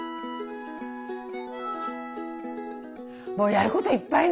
もうやることいっぱいね。